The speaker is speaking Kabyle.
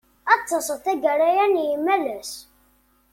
Ad d-taseḍ taggara-a n yimalas?